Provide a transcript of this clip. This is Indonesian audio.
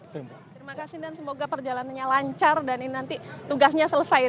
terima kasih dan semoga perjalanannya lancar dan ini nanti tugasnya selesai